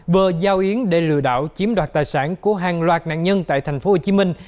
vừa giao yến để lừa đảo chiếm đoạt tài sản của hàng loạt nạn nhân tại thành phố hồ chí minh